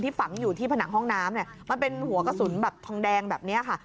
ฝังอยู่ที่ผนังห้องน้ำเนี่ยมันเป็นหัวกระสุนแบบทองแดงแบบนี้ค่ะ